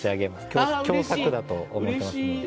共作だと思ってますので。